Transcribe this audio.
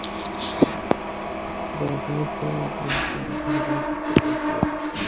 দশ ইনিংস খেলে মাত্র একটি অর্ধ-শতরান করতে পেরেছিলেন।